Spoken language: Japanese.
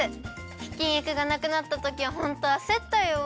ひきにくがなくなったときはホントあせったよ。